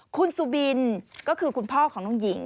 คุณสุบินก็คือคุณพ่อของน้องหญิง